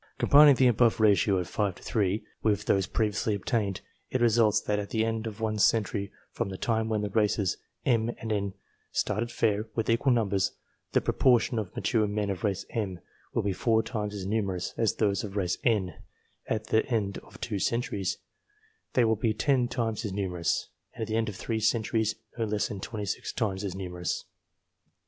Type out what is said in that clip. Combining the above ratio of 5 to 3 with those pre viously obtained, it results that at the end of one century from the time when the races M and N started fair, with equal numbers, the proportion of mature men of race M will be four times as numerous as those of race N ; at the end of two centuries, they will be ten times as numerous, and at the end of three centuries no less than twenty six times as numerous.